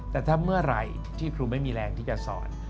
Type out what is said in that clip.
แต่ถ้าเมื่อไหร่ที่ครูไม่มีแรงที่จะสอน